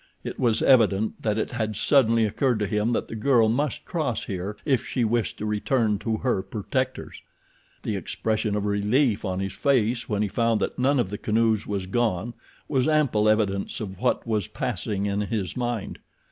It was evident that it had suddenly occurred to him that the girl must cross here if she wished to return to her protectors. The expression of relief on his face when he found that none of the canoes was gone was ample evidence of what was passing in his mind.